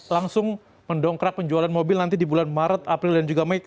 langsung mendongkrak penjualan mobil nanti di bulan maret april dan juga mei